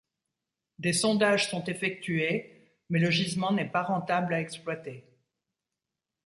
Des sondages sont effectués, mais le gisement n'est pas rentable à exploiter.